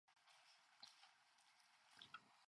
The first team drawn in each tie would be the home team.